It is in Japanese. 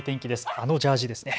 あのジャージですね。